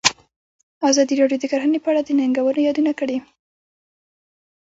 ازادي راډیو د کرهنه په اړه د ننګونو یادونه کړې.